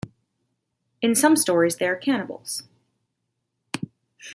In some stories they are cannibals.